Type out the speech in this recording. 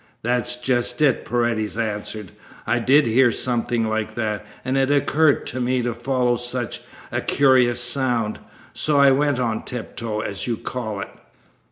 "That's just it," Paredes answered. "I did hear something like that, and it occurred to me to follow such a curious sound. So I went on tiptoe, as you call it."